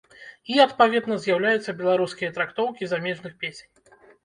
І, адпаведна, з'яўляюцца беларускія трактоўкі замежных песень.